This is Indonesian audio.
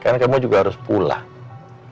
kan kamu juga harus pulang